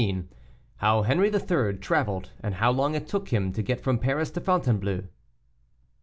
HOW HENRI III. TRAVELED, AND HOW LONG IT TOOK HIM TO GET FROM PARIS TO FONTAINEBLEAU.